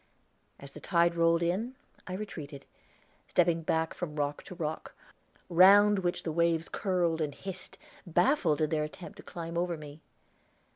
As the tide rolled in I retreated, stepping back from rock to rock, round which the waves curled and hissed, baffled in their attempt to climb over me.